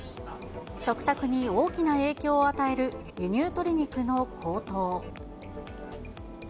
食卓に大きな影響を与える輸入鶏肉の高騰。